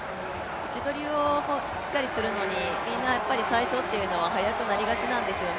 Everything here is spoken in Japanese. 位置取りをしっかりするのにみんな最初は速くなりがちなんですよね。